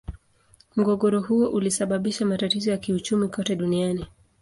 Mgogoro huo ulisababisha matatizo ya kiuchumi kote duniani.